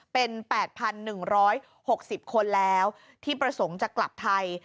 เป็น๘๑๖๐คนแล้วที่ประสงค์จะกลับไทย